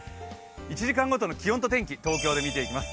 １時間ごとの気温と天気、東京でみていきます。